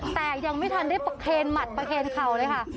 แต่ยังไม่ทันได้ประเคนหมัดประเคนเข่าเลยค่ะ